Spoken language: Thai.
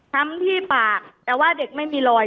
แต่คุณยายจะขอย้ายโรงเรียน